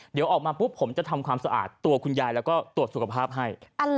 เดี๋ยวออกมาปุ๊บผมจะทำความสะอาดตัวคุณยายแล้วก็ตรวจสุขภาพให้